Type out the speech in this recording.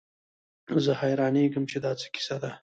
زه حيرانېږم چې دا څه کيسه ده.